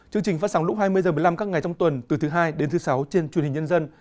chương trình phát sóng lúc hai mươi h một mươi năm các ngày trong tuần từ thứ hai đến thứ sáu trên truyền hình nhân dân